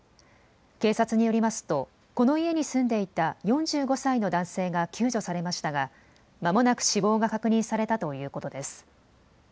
警察によりますとこの家に住んでいた４５歳の男性が救助されましたがまもなく死亡が確認されたということです。